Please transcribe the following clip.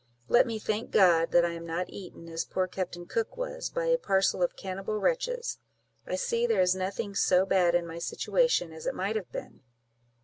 Let me thank God that I am not eaten, as poor Captain Cook was, by a parcel of cannibal wretches. I see there is nothing so bad in my situation, as it might have been.